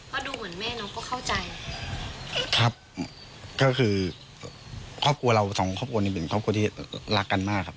ก็ดูเหมือนแม่น้องก็เข้าใจครับก็คือครอบครัวเราสองครอบครัวนี้เป็นครอบครัวที่รักกันมากครับ